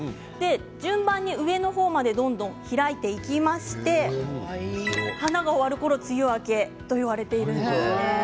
順番に上の方まで開いていきまして花が終わるころに梅雨明けといわれているんです。